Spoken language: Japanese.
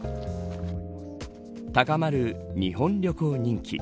高まる日本旅行人気。